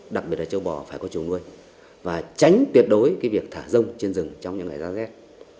đặc biệt là châu bò phải có chuồng nuôi và tránh tuyệt đối cái việc thả rông trên rừng trong những ngày ra rét